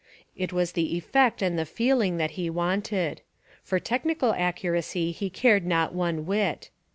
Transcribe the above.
It was the effect and the feel ing that he wanted. For technical accuracy he cared not one whit.